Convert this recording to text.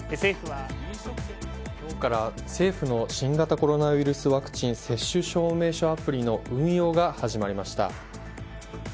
今日から政府の新型コロナウイルスワクチン接種証明書アプリの運用が始まりました。